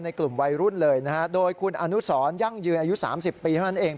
กลุ่มวัยรุ่นเลยนะฮะโดยคุณอนุสรยั่งยืนอายุ๓๐ปีเท่านั้นเอง